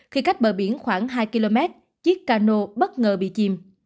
khi cách bờ biển khoảng hai km chiếc cano bất ngờ bị chìm